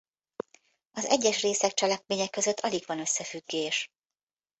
Az egyes részek cselekménye között alig van összefüggés.